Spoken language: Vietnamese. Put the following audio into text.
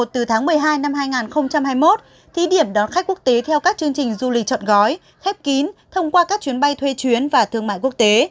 từ tháng một mươi hai năm hai nghìn hai mươi một thí điểm đón khách quốc tế theo các chương trình du lịch chọn gói khép kín thông qua các chuyến bay thuê chuyến và thương mại quốc tế